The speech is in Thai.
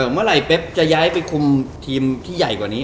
เมื่อไหร่เป๊บจะย้ายไปคุมทีมที่ใหญ่กว่านี้